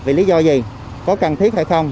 vì lý do gì có cần thiết hay không